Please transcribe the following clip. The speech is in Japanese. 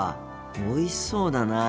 おいしそうだなあ。